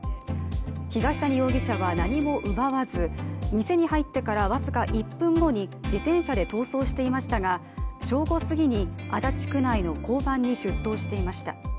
東谷容疑者は何も奪わず店に入ってから僅か１分後に自転車で逃走していましたが、正午すぎに足立区内の交番に出頭していました。